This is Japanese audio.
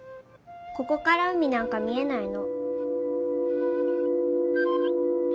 ここから海なんか見えないの。